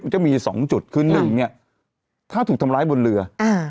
มันจะมี๒จุดคือ๑ถ้าถูกทำร้ายบนเรือ